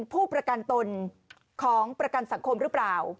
ผู้ประกันตนของประกันสังคมหรือเปล่า